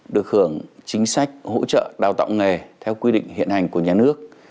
được hưởng chính sách hỗ trợ đào tạo nghề theo quy định hiện hành của nhà nước